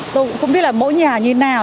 tôi cũng không biết là mỗi nhà như nào